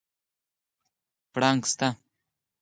پړانګ سته؟